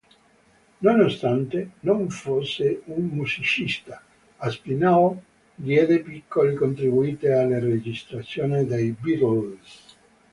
Nonostante non fosse un musicista, Aspinall diede piccoli contributi alle registrazioni dei Beatles.